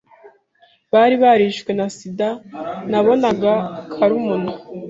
bari barishwe na Sida nabonaga karumuna